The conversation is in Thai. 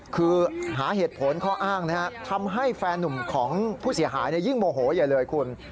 คือหาเหตุผลข้ออ้างทำให้แฟนนุ่มของผู้เสียหายยิ่งโมโหใหญ่เลยคุณ